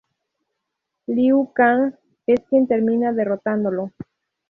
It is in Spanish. Liu Kang es quien termina derrotándolo.